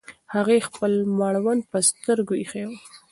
هغې خپل مړوند پر سترګو ایښی و.